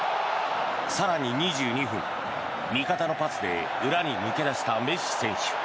更に２２分、味方のパスで裏に抜け出したメッシ選手。